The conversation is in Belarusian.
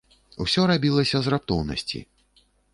Усё рабілася з раптоўнасці.